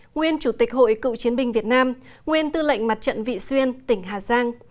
nguyên chủ tịch hội cựu chiến binh việt nam nguyên tư lệnh mặt trận vị xuyên tỉnh hà giang